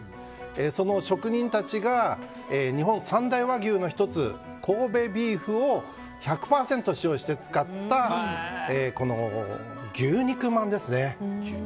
その職人たちが日本三大和牛の１つ神戸ビーフを１００％使用して作った牛肉まんですね。